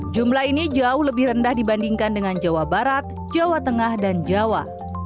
jumlah ini jauh lebih rendah dibandingkan dengan jawa barat jawa tengah dan jawa